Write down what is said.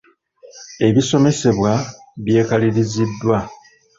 Ebisomesebwa byekaliriziddwa.